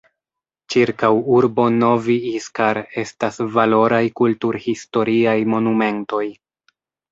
Ĉirkaŭ urbo Novi Iskar estas valoraj kulturhistoriaj monumentoj.